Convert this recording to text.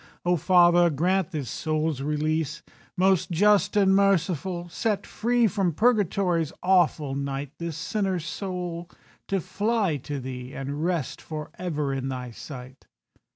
"O Father, grant this soul's release. "Most Just and Merciful, set free From Purgatory's awful night This sinner's soul, to fly to Thee, And rest for ever in Thy sight."